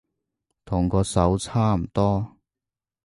同嗰首差唔多